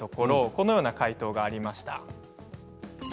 このような回答がありました。